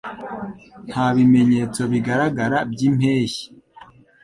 Nta bimenyetso bigaragara byimpeshyi.